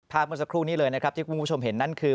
เมื่อสักครู่นี้เลยนะครับที่คุณผู้ชมเห็นนั่นคือ